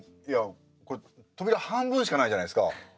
いやこれ扉半分しかないじゃないですか。